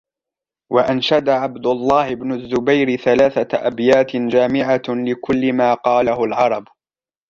وَأَنْشَدَ عَبْدُ اللَّهِ بْنُ الزُّبَيْرِ ثَلَاثَةَ أَبْيَاتٍ جَامِعَةً لِكُلِّ مَا قَالَتْهُ الْعَرَبُ